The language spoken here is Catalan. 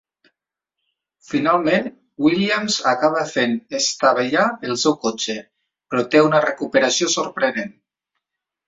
Finalment,, Williams acaba fent estavellar el seu cotxe, però té una recuperació sorprenent.